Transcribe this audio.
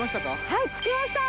はい着きました。